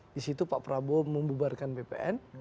di situ pak prabowo membubarkan bpn